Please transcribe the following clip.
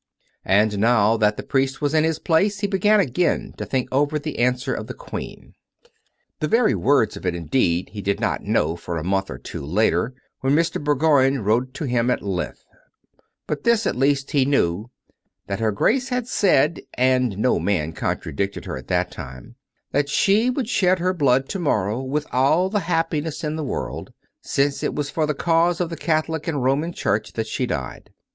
Ill And now that the priest was in his place, he began again to think over that answer of the Queen. The very words of it, indeed, he did not know for a month or two later, when Mr. Bourgoign wrote to him at length; but this, at least, he knew, that her Grace had said (and no man contradicted her at that time) that she would shed her blood to morrow with all the happiness in the world, since it was for the cause of the Catholic and Roman Church that she died.